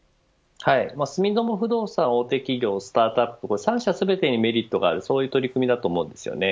住友不動産大手企業、スタートアップ３社全てにメリットがあるそういう取り組みだと思います。